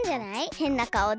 へんなかおで。